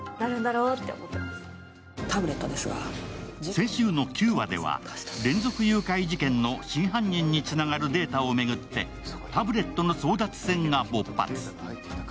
先週の９話では連続誘拐事件の真犯人につながるデータを巡ってタブレットの争奪戦が勃発。